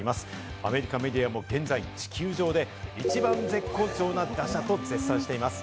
アメリカメディアも現在、地球上で一番絶好調な打者と絶賛しています。